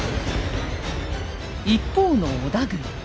一方の織田軍。